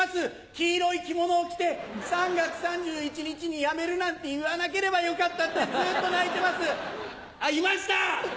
黄色い着物を着て「３月３１日に辞めるなんて言わなければよかった」ってずっと泣いてますあっいました！